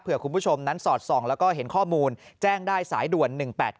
เพื่อคุณผู้ชมนั้นสอดส่องแล้วก็เห็นข้อมูลแจ้งได้สายด่วน๑๘๙